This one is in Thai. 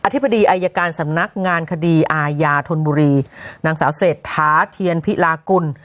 ธิบดีอายการสำนักงานคดีอาญาธนบุรีนางสาวเศรษฐาเทียนพิลากุล